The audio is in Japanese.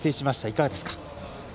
いかがですか。